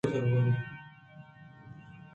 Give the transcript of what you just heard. کاف ءَ پہ گرٛیوگی گوٛشت